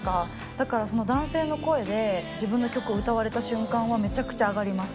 だから、男性の声で自分の曲を歌われた瞬間は、めちゃくちゃ上がります。